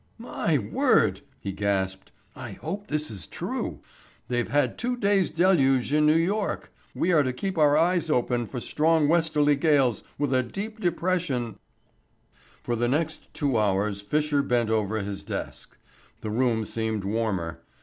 "My word," he gasped. "I hope this is true. They've had two days' deluge in New York. We are to keep our eyes open for strong Westerly gales with a deep depression " For the next two hours Fisher bent over his desk. The room seemed warmer.